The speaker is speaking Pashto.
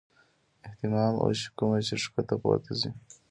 اهتمام اوشي کومه چې ښکته پورته ځي -